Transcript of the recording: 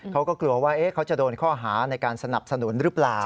เขาก็กลัวว่าเขาจะโดนข้อหาในการสนับสนุนหรือเปล่า